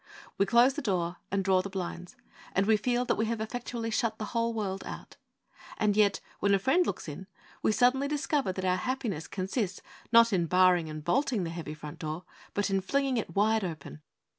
We close the door, and draw the blinds, and we feel that we have effectually shut the whole world out. And yet when a friend looks in, we suddenly discover that our happiness consists, not in barring and bolting the heavy front door, but in flinging it wide open.